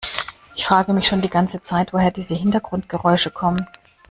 Ich frage mich schon die ganze Zeit, woher diese Hintergrundgeräusche kommen.